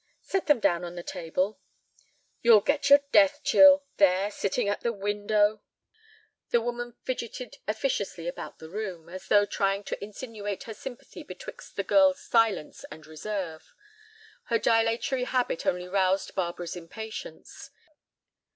"Set them down on the table." "You'll get your death chill—there, sitting at that window—" The woman fidgeted officiously about the room, as though trying to insinuate her sympathy betwixt the girl's silence and reserve. Her dilatory habit only roused Barbara's impatience.